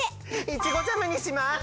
いちごジャムにします！